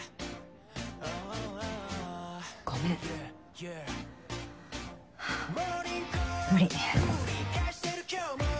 ごめん無理。